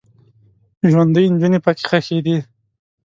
ژوندۍ نجونې پکې ښخیدې.